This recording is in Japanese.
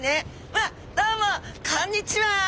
あっどうもこんにちは！